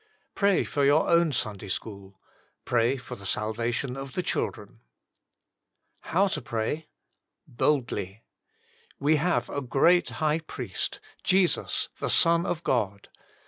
Pray for your own Sunday school. Pray for the salvation of the children. now TO PEAT. "We have a great High Priest, Jesus the Son of God.